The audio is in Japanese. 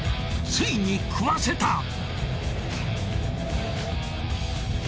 ついに喰わせた。